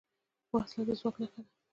وسله د ځواک نښه ده